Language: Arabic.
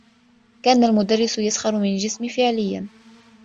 كان المدرّس يسخر من جسمي فعليّا.